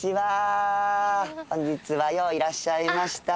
本日はよういらっしゃいました。